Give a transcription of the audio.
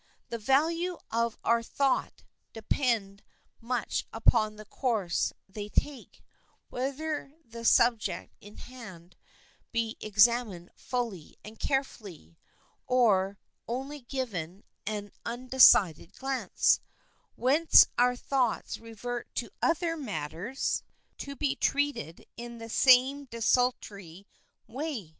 The value of our thoughts depend much upon the course they take, whether the subject in hand be examined fully and carefully, or only given an undecided glance, whence our thoughts revert to other matters to be treated in the same desultory way.